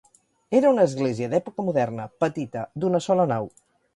Era una església d'època moderna, petita, d'una sola nau.